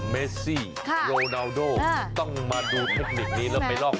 เมซี่โรนาวโดต้องมาดูเทคนิคนี้แล้วไปลอก